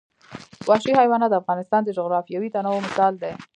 وحشي حیوانات د افغانستان د جغرافیوي تنوع مثال دی.